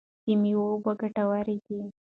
د مېوو اوبه ګټورې دي.